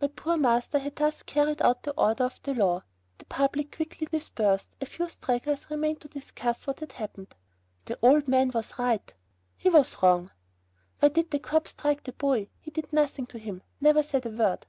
My poor master had thus carried out the order of the law. The public had quickly dispersed. A few stragglers remained to discuss what had happened. "The old man was right." "He was wrong." "Why did the cop strike the boy? He did nothing to him; never said a word."